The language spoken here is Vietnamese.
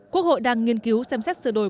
quốc hội đang nghiên cứu xem xét sửa đổi